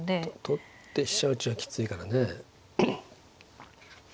取って飛車打ちはきついからね。